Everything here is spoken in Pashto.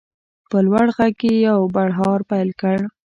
په لوړ غږ یې یو بړهار پیل کړ.